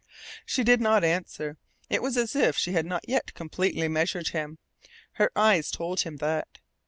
She did not answer. It was as if she had not yet completely measured him. Her eyes told him that.